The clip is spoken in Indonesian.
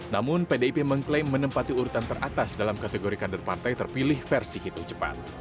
namun pdip mengklaim menempati urutan teratas dalam kategori kader partai terpilih versi hitung cepat